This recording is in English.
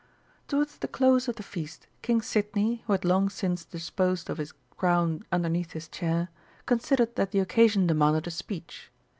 Towards the close of the feast King Sidney, who had long since disposed of his crown underneath his chair, considered that the occasion demanded a speech.